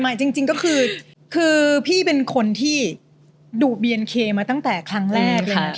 ไม่จริงก็คือที่พี่เป็นคนที่ดูบนเอ้ยมาตั้งแต่ครั้งแรก